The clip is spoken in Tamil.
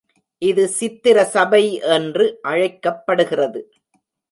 இது சித்திர சபை என்று அழைக்கப்படுகிறது.